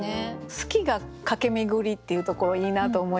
「『好き』が駆け巡り」っていうところいいなと思いましたね。